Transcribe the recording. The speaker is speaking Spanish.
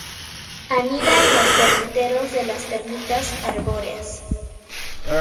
Anida en los termiteros de las termitas arbóreas.